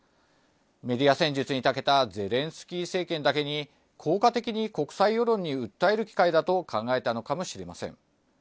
メディア戦術にたけたゼレンスキー政権だけに、効果的に国際世論に訴える機会だと考えたのかもしれません。